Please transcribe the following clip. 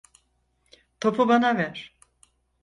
Topu bana ver.